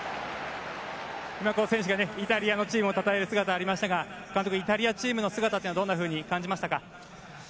選手がイタリアのチームたたえる姿がありましたが監督、イタリアチームの姿はどんなふうに感じましたか？